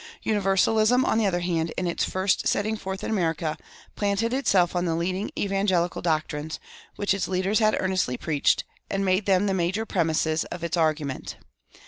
Universalism, on the other hand, in its first setting forth in America, planted itself on the leading "evangelical" doctrines, which its leaders had earnestly preached, and made them the major premisses of its argument.